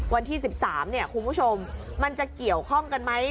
วันที่๑๓คุณผู้ชมมันจะเกี่ยวข้องกันไหม